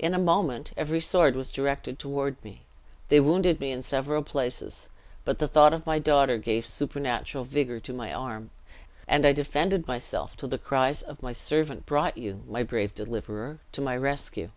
"In a moment every sword was directed toward me. They wounded me in several places; but the thought of my daughter gave supernatural vigor to my arm, and I defended myself till the cries of my servant brought you, my brave deliverer, to my rescue.